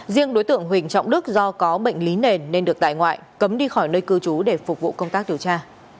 riêng đối tượng huỳnh trọng đức do có bệnh lý nền nên được tại ngoại cấm đi khỏi nơi cư trú để phục vụ công tác điều tra